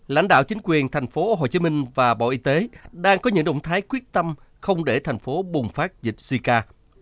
lãnh đạo chính quyền tp hcm và bộ y tế đang có những động thái quyết tâm không để thành phố bùng phát dịch sika